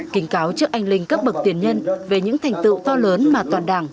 kính cáo trước anh linh các bậc tiền nhân về những thành tựu to lớn mà toàn đảng